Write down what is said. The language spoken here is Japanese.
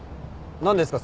何ですか？